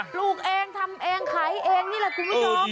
ลูกเองทำเองขายเองนี่แหละคุณผู้ชม